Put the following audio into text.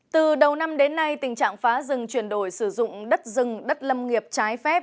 từ đầu năm đến nay tình trạng phá rừng chuyển đổi sử dụng đất rừng đất lâm nghiệp trái phép